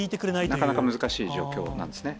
なかなか難しい状況なんですね。